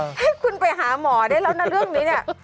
ก็ยังให้คุณไปหาหมอได้แล้วทั้งเรื่องนี้